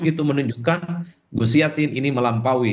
itu menunjukkan gus yassin ini melampaui